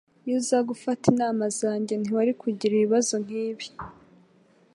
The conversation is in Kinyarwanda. Iyo uza gufata inama zanjye, ntiwari kugira ibibazo nkibi.